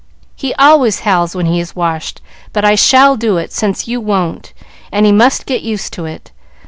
"He always howls when he is washed; but I shall do it, since you won't, and he must get used to it.